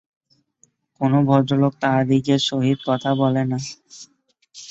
কোন ভদ্রলোক তাহাদিগের সহিত কথা বলে না।